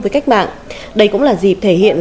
với cách mạng đây cũng là dịp thể hiện